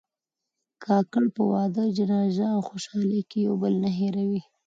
کاکړ په واده، جنازه او خوشحالۍ کې یو بل نه هېروي.